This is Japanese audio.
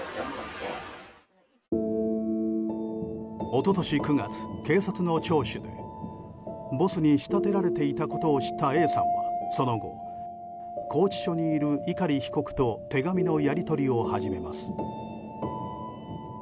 一昨年９月、警察の聴取でボスに仕立てられていたことを知ったＡさんは、その後拘置所にいる碇被告と手紙のやり取りを始めます。